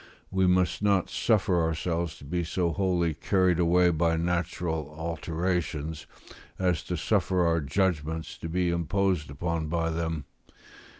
We must not suffer ourselves to be so wholly carried away by natural alterations as to suffer our judgments to be imposed upon by them.